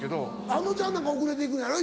あのちゃんなんか遅れて行くんやろ？